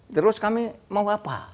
terus kami mau apa